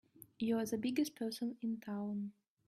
You're the biggest person in town!